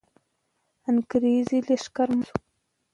انګریزي لښکر مات سو.